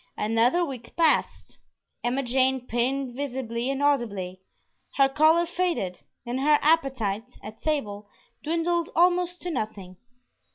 Another week passed. Emma Jane pined visibly and audibly. Her color faded, and her appetite (at table) dwindled almost to nothing.